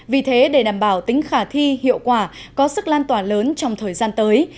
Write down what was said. vì thế để đảm bảo tính khả thi hiệu quả có sức lan tỏa lớn trong thời gian tới